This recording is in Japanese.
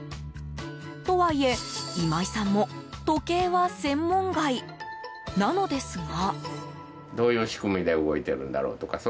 とはいえ、今井さんも時計は専門外なのですが。